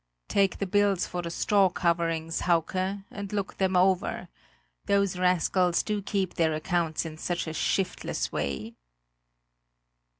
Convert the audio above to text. Take the bills for the straw coverings, Hauke, and look them over; those rascals do keep their accounts in such a shiftless way!"